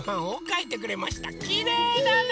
きれいだね！